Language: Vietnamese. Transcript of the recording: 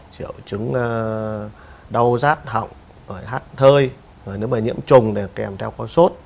triệu chứng đau rát họng hát thơi nếu mà nhiễm trùng thì kèm theo con sốt